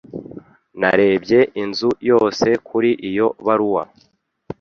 Narebye inzu yose kuri iyo baruwa.